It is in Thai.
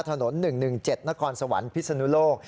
ถนนหนึ่งหนึ่งเจ็ดนครสวรรค์พิษณุโลก